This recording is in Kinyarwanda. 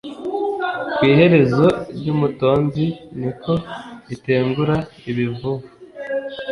Ku iherezo ryumutonzi Ni ko itengura ibivuvu